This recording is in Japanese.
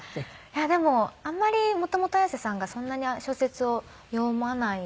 いやでもあんまり元々Ａｙａｓｅさんがそんなに小説を読まない。